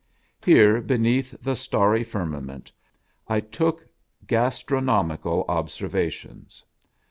Here beneath the starry firmament, I took gastronomical observations.